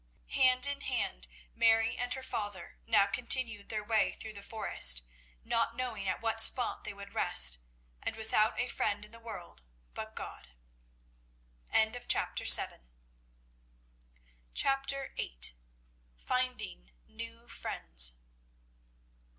Hand in hand Mary and her father now continued their way through the forest, not knowing at what spot they would rest, and without a friend in the world but God. CHAPTER VIII. FINDING NEW FRIENDS.